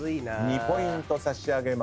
２ポイント差し上げます。